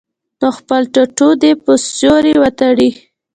نو خپل ټټو دې پۀ سيوري وتړي -